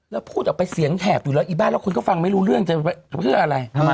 แล้วพูดออกไปเสียงแถบอยู่แล้วอีบ้านแล้วคนก็ฟังไม่รู้เรื่องจะเพื่ออะไร